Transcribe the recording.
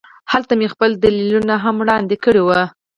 هلته مې خپل دلیلونه هم وړاندې کړي وو